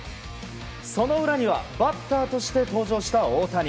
その裏にはバッターとして登場した大谷。